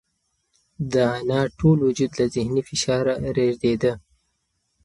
د انا ټول وجود له ذهني فشاره رېږدېده.